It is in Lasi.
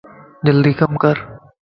جلدي ڪم ڪر